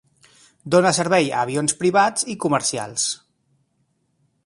Dona servei a avions privats i comercials.